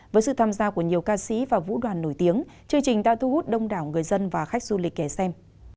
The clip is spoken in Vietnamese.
với sự tham gia của nhiều ca sĩ và vũ đoàn nổi tiếng chương trình đã thu hút đông đảo người dân và khách du lịch ghé xem